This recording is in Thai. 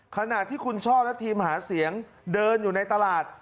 ขณะที่คุณช่อและทีมหาเสียงเดินอยู่ในตลาด